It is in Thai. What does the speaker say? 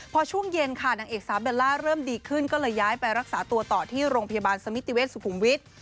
พอช่วงเย็นค่ะนางเอกสาวเบลล่าเริ่มดีขึ้นก็เลยย้ายไปรักษาตัวต่อที่โรงพยาบาลสมิติเวชสุขุมวิทย์